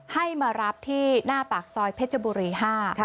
ให้มารับที่หน้าปากซอยเพชรบุรี๕